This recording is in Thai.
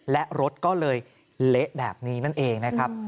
และรถก็เลยเละแบบนี้นั่นเองนะครับ